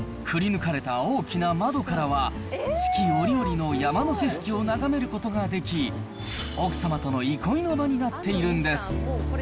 くりぬかれた大きな窓からは、四季折々の山の景色を眺めることができ、奥様との憩いの場になっているんです。